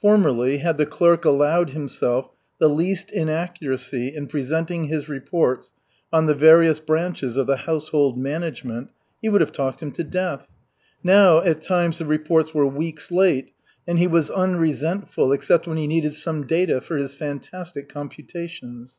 Formerly, had the clerk allowed himself the least inaccuracy in presenting his reports on the various branches of the household management, he would have talked him to death. Now at times the reports were weeks late, and he was unresentful except when he needed some data for his fantastic computations.